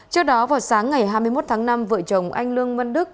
trước đó vào sáng ngày hai mươi một tháng năm vợ chồng anh lương văn đức